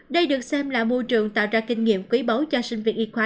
đây được xem là môi trường tạo ra kinh nghiệm quý báu cho sinh viên y khoa